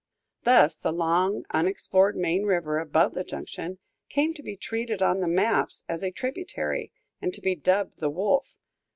Thus the long unexplored main river, above the junction, came to be treated on the maps as a tributary, and to be dubbed the Wolf.